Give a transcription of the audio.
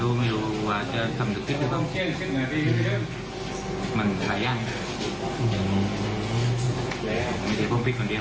อืมมันไม่ใช่ผมผิดคนเดียว